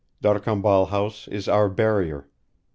D'Arcambal House is our barrier.